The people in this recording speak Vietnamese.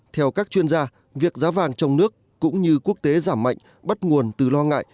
theo các chuyên gia việc giá vàng trong nước cũng như quốc tế giảm mạnh bắt nguồn từ lo ngại